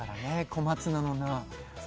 小松菜の菜。